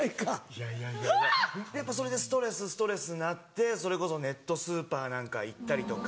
いやいやいやいややっぱそれでストレスストレスになってそれこそネットスーパーなんか行ったりとか。